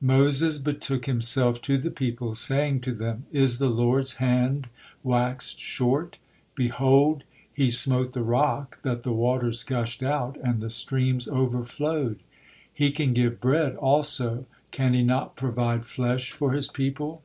Moses betook himself to the people, saying to them: "Is the Lord's hand waxed short? Behold, He smote the rock, that the waters gushed out, and the streams overflowed; He can give bread also; can He not provide flesh for His people?"